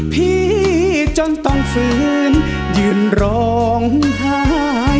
พี่จนต้องฝืนยืนร้องไห้